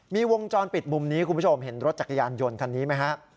มีวงจรปิดมุมนี้คุณผู้ชมเห็นรถจักรยานยนต์คันนี้ไหมฮะ